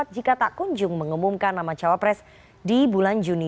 jika tak kunjung mengumumkan nama cawapres di bulan juni